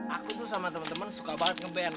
aku tuh sama temen temen suka banget ngeband